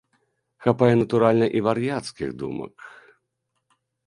Хапае, натуральна, і вар'яцкіх думак.